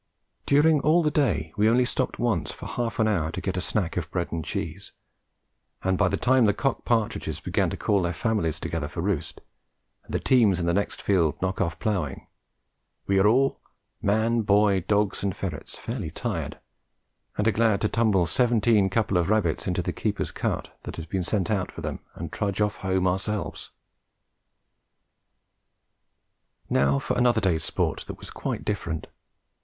During all the day we only stopped once for half an hour to get a snack of bread and cheese, and by the time the cock partridges began to call their families together for roost, and the teams in the next field to knock off ploughing, we are all, man, boy, dogs and ferrets, fairly tired, and are glad to tumble seventeen couple of rabbits into the keeper's cart that has been sent out for them, and trudge off home ourselves. Now for another day's sport that was quite different.